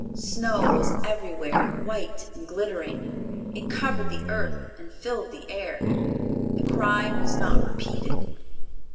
Snow was everywhere, white and glittering. It covered the earth and filled the air. The cry was not repeated.